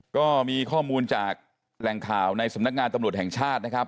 ก็มีข้อมูลจากแหล่งข่าวในสำนักงานตำรวจแห่งชาตินะครับ